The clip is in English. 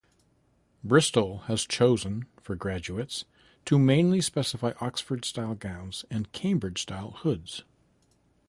Bristol has chosen, for graduates, to mainly specify Oxford-style gowns and Cambridge-style hoods.